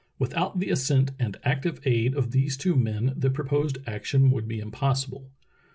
Without the assent and active aid of these two men the proposed action would be impossible.